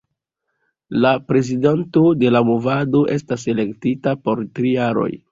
La prezidanto de la movado estas elektita por tri jaroj.